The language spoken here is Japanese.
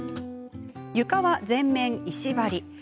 床は全面石張り。